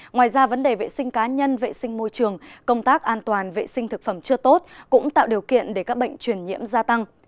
ngoài ra vấn đề vệ sinh cá nhân vệ sinh môi trường công tác an toàn vệ sinh thực phẩm chưa tốt cũng tạo điều kiện để các bệnh truyền nhiễm gia tăng